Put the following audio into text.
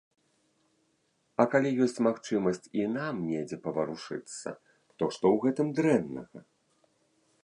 А калі ёсць магчымасць і нам недзе паварушыцца, то што ў гэтым дрэннага?